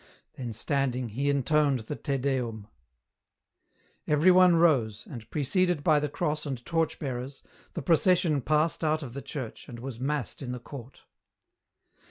Then, standing, he intoned the " Te Deum." Every one rose, and preceded by the cross and torch bearers, the procession passed out of the church, and was massed in the court.